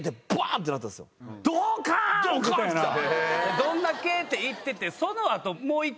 「どんだけ！」って言っててその後。